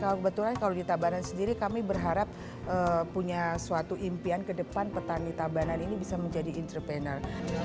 kebetulan kalau di tabanan sendiri kami berharap punya suatu impian ke depan petani tabanan ini bisa menjadi entrepreneur